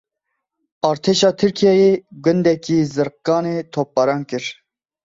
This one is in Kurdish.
Artêşa Tirkiyeyê gundekî Zirganê topbaran kir.